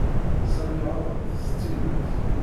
Sami ɣaḍen-t s tidet.